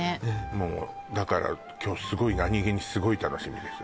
もうだから今日すごい何げにすごい楽しみです